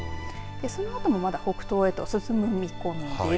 そのあともまだ北東へと進む見込みです。